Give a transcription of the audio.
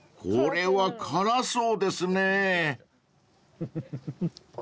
［これは辛そうですね］